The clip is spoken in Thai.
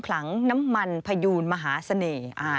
ขลังน้ำมันพยูนมหาเสน่ห์